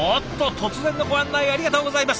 突然のご案内ありがとうございます。